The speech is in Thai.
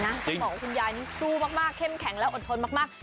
ต้องบอกว่าคุณยายนี่สู้มากเข้มแข็งและอดทนมาก